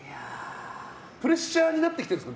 プレッシャーになってきてるんですか？